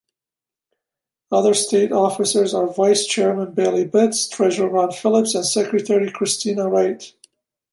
Other state officers are Vice-Chairman Bailey Betz, Treasurer Ron Phillips, and Secretary Christina Wright.